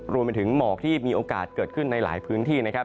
รวมไปถึงหมอกที่มีโอกาสเกิดขึ้นในหลายพื้นที่นะครับ